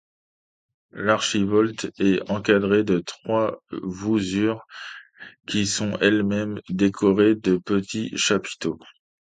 L'archivolte est encadré de trois voussures qui sont elles-mêmes décorées de petit chapiteaux.